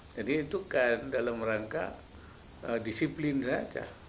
jadi itu kan dalam rangka disiplin saja